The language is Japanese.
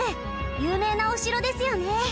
有名なお城ですよね。